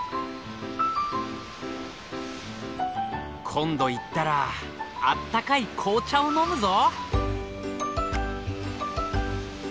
今度行ったらあったかい紅茶を飲むぞ！